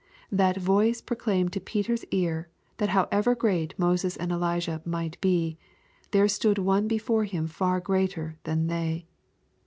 That voice proclaimed to Peter's ear that however great Moses and Elijah might be, there stood One be fore him far greater than they.